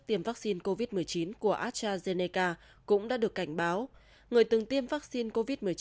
tiêm vaccine covid một mươi chín của astrazeneca cũng đã được cảnh báo người từng tiêm vaccine covid một mươi chín